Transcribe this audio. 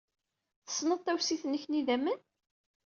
Tessneḍ tawsit-nnek n yidammen?